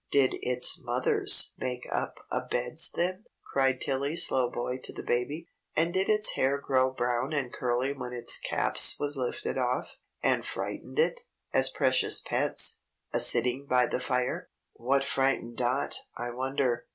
"Did its mothers make up a beds then?" cried Tilly Slowboy to the baby; "and did its hair grow brown and curly when its caps was lifted off, and frighten it, as precious pets, a sitting by the fire?" "What frightened Dot, I wonder?"